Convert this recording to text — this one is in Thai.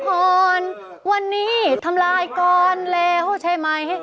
พรจะอพรวันนี้ทำลายกรณ์แล้วใช่มั้ย